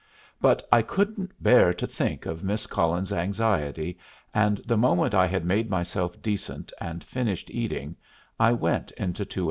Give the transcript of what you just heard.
But I couldn't bear to think of Miss Cullen's anxiety, and the moment I had made myself decent, and finished eating, I went into 218.